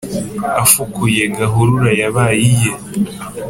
afukuye gahurura yabaye iye